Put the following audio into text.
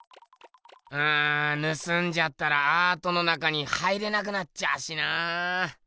うんぬすんじゃったらアートの中に入れなくなっちゃうしなあ。